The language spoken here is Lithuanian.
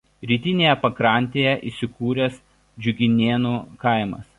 Rytinėje pakrantėje įsikūręs Džiuginėnų kaimas.